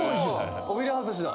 尾びれ外しだ！